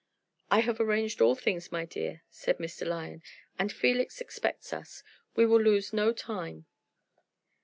"I have arranged all things, my dear," said Mr. Lyon, "and Felix expects us. We will lose no time."